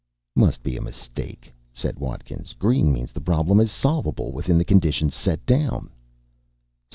"Must be a mistake," said Watkins. "Green means the problem is solvable within the conditions set down."